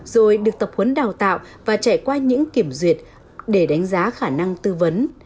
rồi được tập huấn đào tạo và trải qua những kiểm duyệt để đánh giá khả năng tư vấn